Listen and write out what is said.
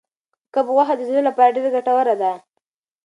کب غوښه د زړه لپاره ډېره ګټوره ده.